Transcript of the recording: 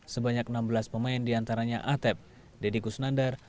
sebanyak enam belas pemain diantaranya atep deddy kusnandar